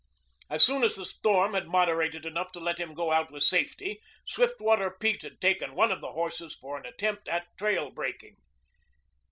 As soon as the storm had moderated enough to let him go out with safety, Swiftwater Pete had taken one of the horses for an attempt at trail breaking.